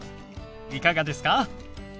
いかがですか？